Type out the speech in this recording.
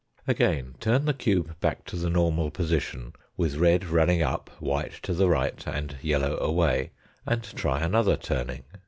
Again turn the cube back to the normal position with red running up, white to the right, and yellow away, and try another turning.